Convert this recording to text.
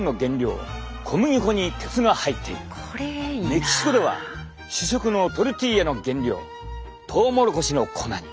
メキシコでは主食のトルティーヤの原料トウモロコシの粉に！